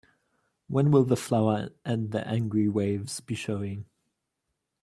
When will The Flower and the Angry Waves be showing?